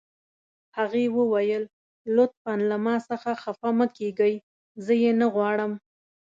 هغې وویل: لطفاً له ما څخه خفه مه کیږئ، زه یې نه غواړم.